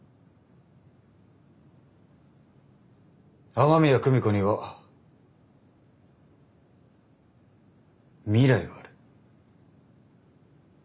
雨宮久美子には未来がある。